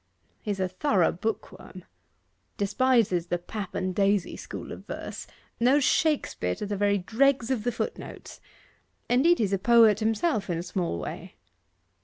'He's a thorough bookworm despises the pap and daisy school of verse knows Shakespeare to the very dregs of the foot notes. Indeed, he's a poet himself in a small way.